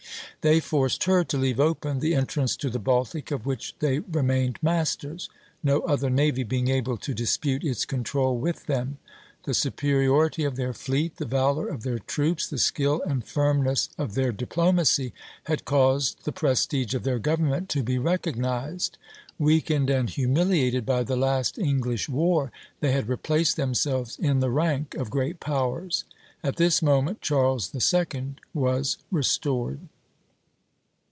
They forced her to leave open the entrance to the Baltic, of which they remained masters, no other navy being able to dispute its control with them. The superiority of their fleet, the valor of their troops, the skill and firmness of their diplomacy, had caused the prestige of their government to be recognized. Weakened and humiliated by the last English war, they had replaced themselves in the rank of great powers. At this moment Charles II. was restored."